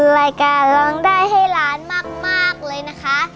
รายการร้องได้ให้ล้านมากเลยนะคะ